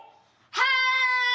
はい！